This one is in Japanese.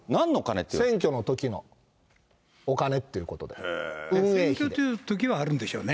選挙のときのお金っていうこ選挙のときはあるんでしょうね。